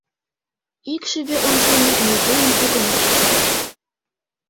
Икшыве ончылно ме вуйын огына шого.